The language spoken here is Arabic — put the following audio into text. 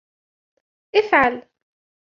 افعل.